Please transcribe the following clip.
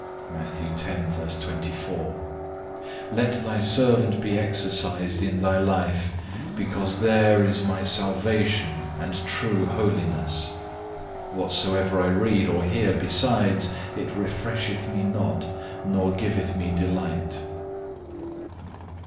(4) Let Thy servant be exercised in Thy life, because there is my salvation and true holiness. Whatsoever I read or hear besides it, it refresheth me not, nor giveth me delight.